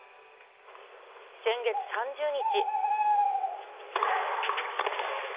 先月３０日。